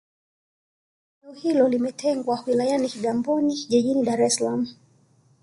eneo hilo limetengwa wilayani kigamboni jijini dar es salaam